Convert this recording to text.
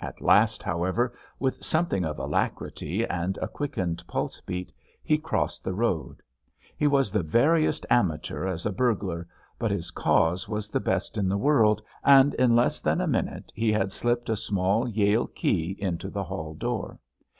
At last, however, with something of alacrity and a quickened pulse beat, he crossed the road. He was the veriest amateur as a burglar, but his cause was the best in the world, and in less than a minute he had slipped a small Yale key into the hall door.